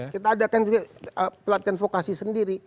kita adakan juga pelatihan vokasi sendiri